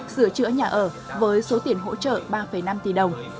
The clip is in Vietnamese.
sửa chữa nhà ở với số tiền hỗ trợ ba năm tỷ đồng